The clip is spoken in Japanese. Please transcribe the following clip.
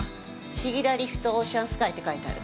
シギラリフトオーシャンスカイって書いてある。